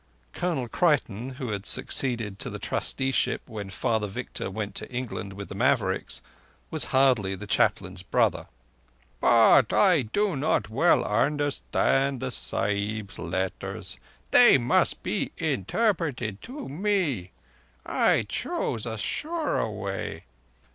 Colonel Creighton, who had succeeded to the trusteeship when Father Victor went to England with the Mavericks, was hardly the Chaplain's brother. "But I do not well understand Sahibs' letters. They must be interpreted to me. I chose a surer way.